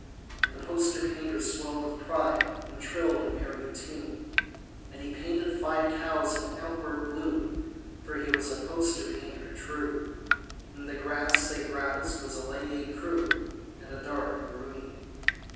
And the poster painter swelled with pride And trilled a merry tune. And he painted five cows in Antwerp blue (For he was a poster painter true), And the grass they browsed was a light écru And a dark maroon.